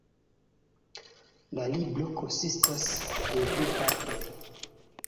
La libro konsistas de du partoj.